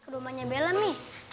rumahnya bella mi